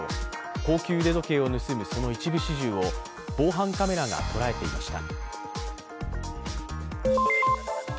高級腕時計を盗む、その一部始終を防犯カメラが捉えていました。